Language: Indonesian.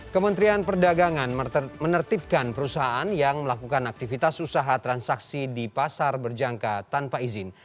kementerian perdagangan menertibkan perusahaan yang melakukan aktivitas usaha transaksi di pasar berjangka tanpa izin